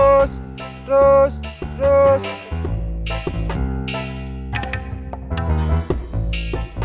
terus terus terus terus terus terus terus terus terus terus terus terus